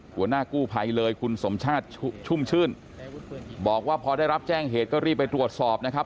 หัวหน้ากู้ภัยเลยคุณสมชาติชุ่มชื่นบอกว่าพอได้รับแจ้งเหตุก็รีบไปตรวจสอบนะครับ